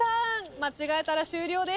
間違えたら終了です。